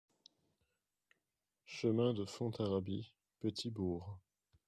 Chemin de Fontarabie, Petit-Bourg